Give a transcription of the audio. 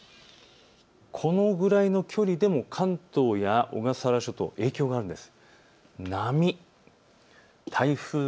このぐらいの距離でも関東や小笠原諸島は影響がありそうです。